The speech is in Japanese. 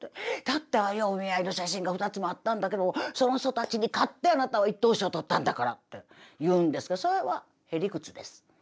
だってああいうお見合いの写真が２つもあったんだけどもその人たちに勝ってあなたは１等賞を取ったんだから」って言うんですけどそれはへ理屈です。